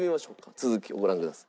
続きをご覧ください。